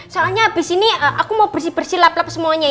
soalnya abis ini aku mau bersih bersih lap lap semuanya ya